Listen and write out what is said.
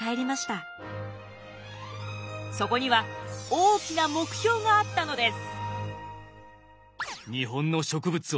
そこには大きな目標があったのです。